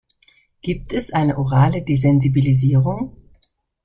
Gibt es eine orale Desensibilisierung?